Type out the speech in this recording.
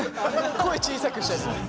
声小さくしたりね。